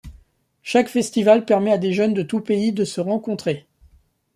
Chaque festival permet à des jeunes de tous pays de se rencontrer.